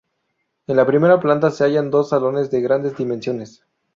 En la primera planta se hallan dos salones de grandes dimensiones.